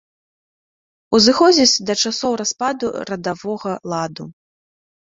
Узыходзіць да часоў распаду радавога ладу.